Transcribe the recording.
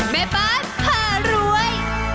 แม่บ้านผ่ารวย